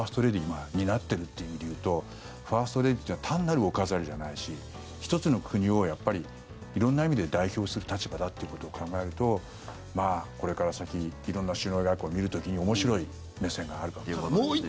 今、担っているって意味でいうとファーストレディーというのは単なるお飾りじゃないし１つの国をやっぱり色んな意味で代表する立場だということを考えるとこれから先色んな首脳外交を見る時に面白い目線があるかもしれない。